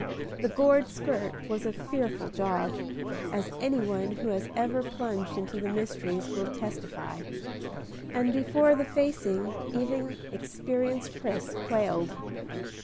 The gored skirt was a fearful job, as any one who has ever plunged into the mysteries will testify; and before the facing, even experienced Pris quailed.